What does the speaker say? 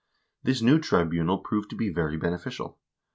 This new tribunal proved to be very beneficial.